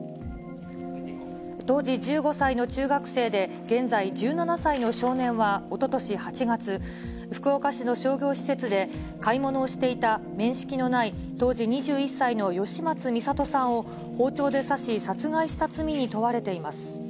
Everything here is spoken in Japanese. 当時１５歳の中学生で、現在１７歳の少年はおととし８月、福岡市の商業施設で、買い物をしていた面識のない、当時２１歳の吉松弥里さんを包丁で刺し殺害した罪に問われています。